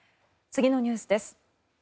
次のニュースです。